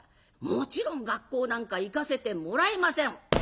もちろん学校なんか行かせてもらえません。